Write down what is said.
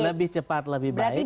lebih cepat lebih baik